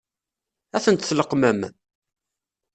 Ad tent-tleqqmem?